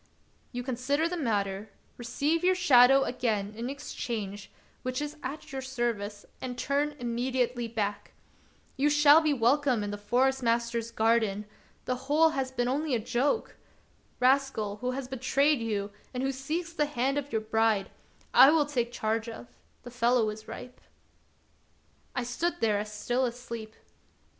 You consider the matter, receive your shadow again in exchange, which is at your service, and turn immediately back. You shall be welcome in the Forest master's garden ; the whole has been only a joke. Rascal, who has betrayed you, and who seeks the hand of your bride, I will take charge of ; the fellow is ripe." I stood there as still asleep.